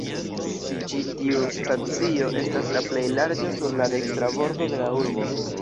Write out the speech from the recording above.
Ĉi tiu stacio estas la plej larĝa sur la dekstra bordo de la urbo.